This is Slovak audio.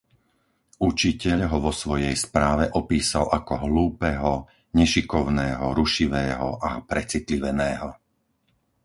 Učiteľ ho vo svojej správe opísal ako hlúpeho, nešikovného, rušivého a precitliveného.